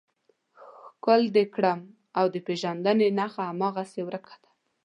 ښکل دې کړم او د پېژندنې نښه هماغسې ورکه وه.